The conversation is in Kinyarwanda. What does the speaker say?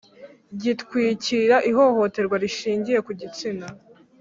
gitwikira ihohoterwa rishingiye ku gitsina.